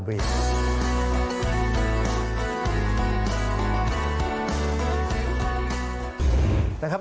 ที่สุดที่สุด